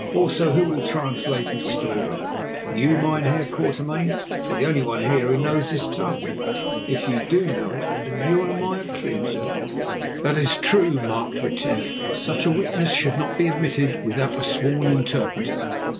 Also, who will translate his story? You, Mynheer Quatermain, are the only one here who knows his tongue, if you do know it, and you are my accuser." "That is true," remarked Retief. "Such a witness should not be admitted without a sworn interpreter.